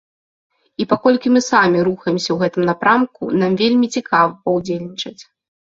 І паколькі мы самі рухаемся ў гэтым напрамку, нам вельмі цікава паўдзельнічаць.